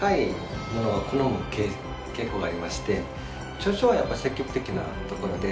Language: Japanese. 長所はやっぱり積極的なところで。